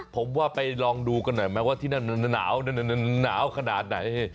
ผมว่าไปลองดูกันหน่อยไหมว่าที่นั่นหนาวนั่นหนาวขนาดไหน